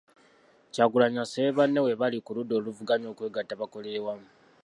Kyagulanyi asabye banne bwe bali ku ludda oluvuganya okwegatta bakolere wamu.